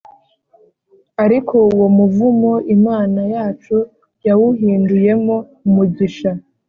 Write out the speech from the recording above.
Ariko uwo muvumo Imana yacu yawuhinduyemo umugisha